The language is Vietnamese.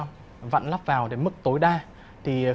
thì khi bác vặn nắp vào đến mức tối đa như vậy